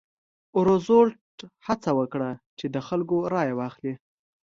روزولټ هڅه وکړه چې د خلکو رایه واخلي.